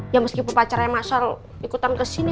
ya meski bapak pacarnya masal ikutan kesini